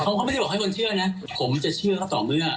เขาก็ไม่ได้บอกให้คนเชื่อนะผมจะเชื่อเขาต่อเมื่อ